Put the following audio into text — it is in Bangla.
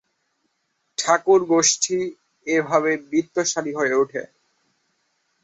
ঠাকুর গোষ্ঠী এ ভাবেই বিত্তশালী হয়ে ওঠে।